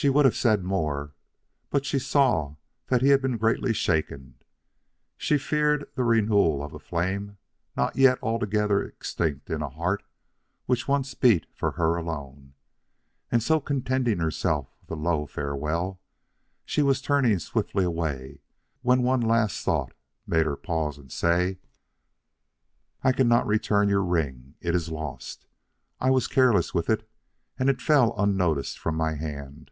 She would have said more, but she saw that he had been greatly shaken. She feared the renewal of a flame not yet altogether extinct in a heart which once beat for her alone, and so contenting herself with a low farewell, she was turning swiftly away, when one last thought made her pause and say: "I cannot return you your ring. It is lost. I was careless with it and it fell unnoticed from my hand.